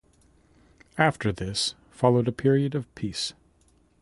After this followed a period of peace.